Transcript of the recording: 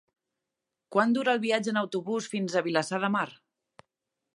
Quant dura el viatge en autobús fins a Vilassar de Mar?